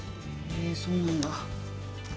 へえそうなんだ。